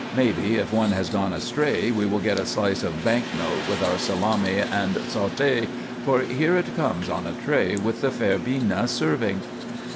Maybe if one has gone astray we will get a slice of bank note with our salami and sauté, for here it comes on a tray with the fair Bina serving."